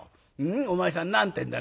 お前さん何て言うんだ？